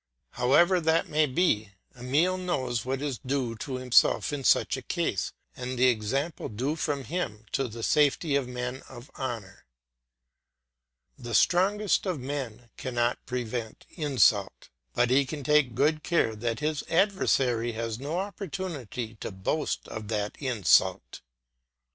However that may be, Emile knows what is due to himself in such a case, and the example due from him to the safety of men of honour. The strongest of men cannot prevent insult, but he can take good care that his adversary has no opportunity to boast of that insult.